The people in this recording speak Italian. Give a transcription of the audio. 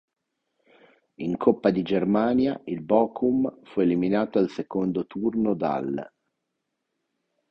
In coppa di Germania il Bochum fu eliminato al secondo turno dall'.